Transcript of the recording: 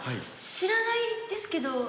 知らないですけど。